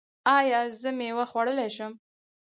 ایا زه میوه خوړلی شم؟